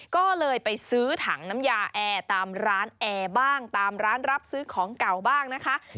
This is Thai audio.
ก็เลยไปซื้อถังน้ำยาแอร์ตามร้านแอร์บ้างตามร้านรับซื้อของเก่าบ้างนะคะ